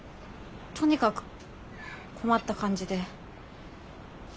とにかく困った感じで。